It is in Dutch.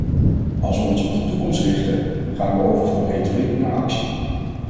Als we ons op de toekomst richten, gaan we over van retoriek naar actie.